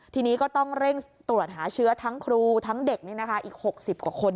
ทีนี้ก็ต้องเร่งตรวจหาเชื้อทั้งครูทั้งเด็กอีก๖๐กว่าคน